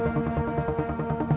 ya udah gue jalanin dulu